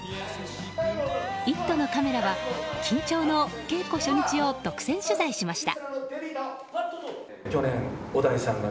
「イット！」のカメラは緊張の稽古初日を独占取材しました。